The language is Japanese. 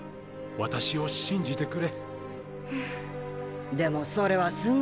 私を信じてくれ！